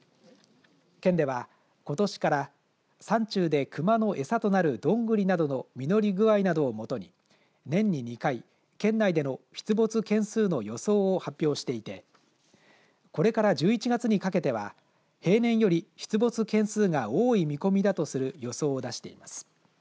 県では、ことしから山中で熊の餌となるドングリなどの実り具合などを基に年に２回県内での出没件数の予想を発表していてこれから１１月にかけては平年より出没件数が多い見込みだとする予想を出しています。